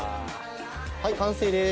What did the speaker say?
はい完成です。